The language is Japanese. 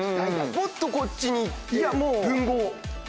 もっとこっちにいって文豪。